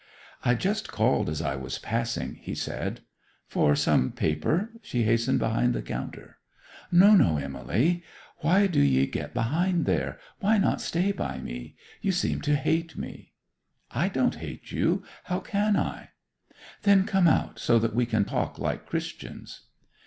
'I just called as I was passing,' he said. 'For some paper?' She hastened behind the counter. 'No, no, Emily; why do ye get behind there? Why not stay by me? You seem to hate me.' 'I don't hate you. How can I?' 'Then come out, so that we can talk like Christians.